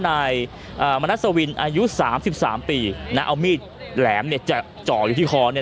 นายมณัสวินอายุสามสิบสามปีนะเอามีดแหลมเนี่ยจะจ่ออยู่ที่คอเนี่ย